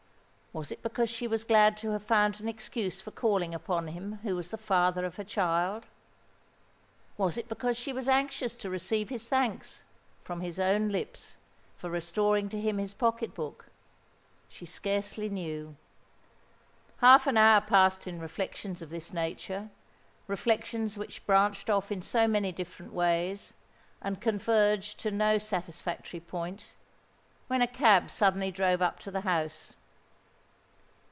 Was it because she was glad to have found an excuse for calling upon him who was the father of her child? was it because she was anxious to receive his thanks—from his own lips—for restoring to him his pocket book? She scarcely knew. Half an hour passed in reflections of this nature—reflections which branched off in so many different ways, and converged to no satisfactory point—when a cab suddenly drove up to the house.